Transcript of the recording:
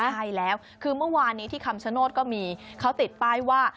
ใช่แล้วคือเมื่อวานนี้ที่คำชโนธก็มีเขาติดป้ายว่า